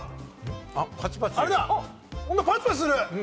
パチパチする！